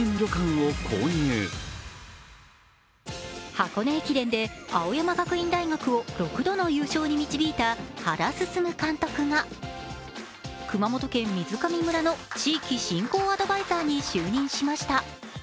箱根駅伝で青山学院大学を６度の優勝に導いた原晋監督が熊本県水上村の地域振興アドバイザーに就任しました。